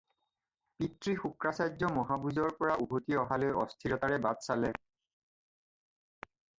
পিতৃ শুক্ৰাচাৰ্য্য মহাভোজৰ পৰা উভতি অহালৈ অস্থিৰতাৰে বাট চালে।